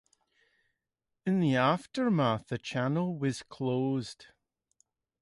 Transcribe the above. In the aftermath the channel was closed.